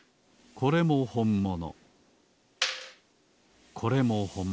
これもほんもの